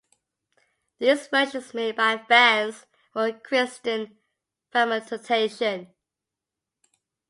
These versions made by fans were christened "fanimutations".